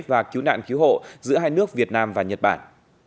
và cứu nạn cứu hộ giữa hai nước việt nam và nhật bản